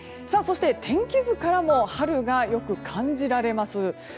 そして天気図からも春がよく感じられます。